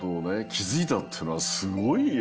きづいたっていうのはすごいよ。